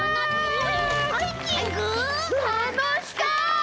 たのしそう！